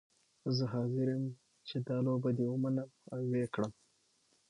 زه حاضره یم چې دا لوبه دې ومنم او وکړم.